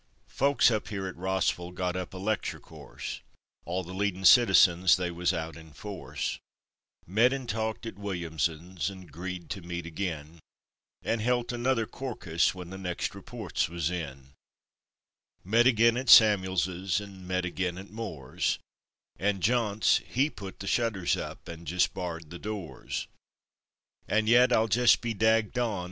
Folks up here at Rossville got up a lectur' course; All the leadin' citizens they wus out in force; Met and talked at Williamses, and 'greed to meet agin, And helt another corkus when the next reports wuz in; Met agin at Samuelses; and met agin at Moore's, And Johnts he put the shutters up and jest barred the doors! And yit, I'll jest be dagg don'd!